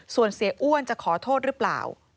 ส่วนเสียอ้วนจะขอโทษหรือเปล่า